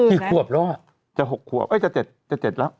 กี่ขวบแล้วอ่ะจะ๖ขวบจะ๗แล้ว